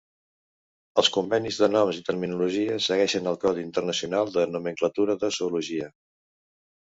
Els convenis de noms i terminologia segueixen el codi internacional de nomenclatura de zoologia.